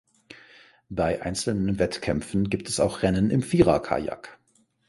Bei einzelnen Wettkämpfen gibt es auch Rennen im Vierer-Kajak.